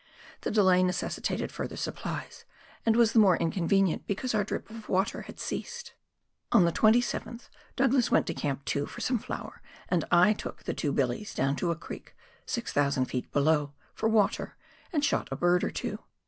The delay necessitated further supplies, and was the more inconvenient because our drip of water had ceased. On the 27th, Douglas went to Camp 2 for some flour, and I took the two billies down to a creek, 600 ft. below, for water, and shot a bird or two.